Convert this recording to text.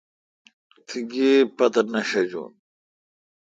تی گیب پتہ نہ ݭاجون۔